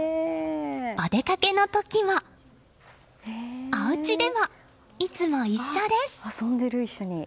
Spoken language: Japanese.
お出かけの時も、おうちでもいつも一緒です。